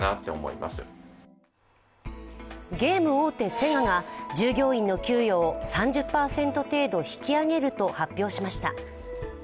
セガが従業員の給与を３０％程度引き上げると発表しました。